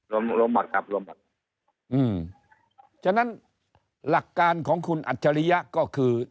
รวมรวมหมักครับรวมหมักอืมฉะนั้นหลักการของคุณอัจฉริยะก็คือ